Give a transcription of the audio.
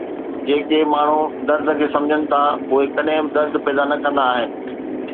جيڪي ماڻهو درد کي سمجهن ٿا اهي ڪڏهن به درد پيدا نه ڪندا آهن